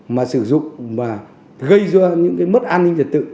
mà sử dụng mà gây ra những cái mất an ninh trật tự